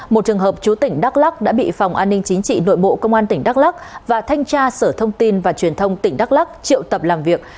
một trường hợp chú tỉnh đắk lắc đã bị phòng an ninh chính trị nội bộ công an tỉnh đắk lắc và thanh tra sở thông tin và truyền thông tỉnh đắk lắc triệu tập làm việc